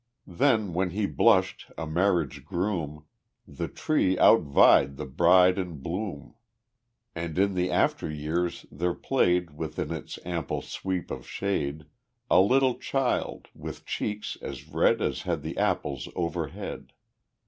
II Then when he blushed, a marriage groom, The tree outvied the bride in bloom; And in the after years there played Within its ample sweep of shade A little child, with cheeks as red As had the apples overhead.